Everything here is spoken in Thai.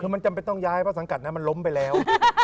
คือมันจำเป็นต้องย้ายเพราะสังกัดนั้นมันล้มไปแล้ว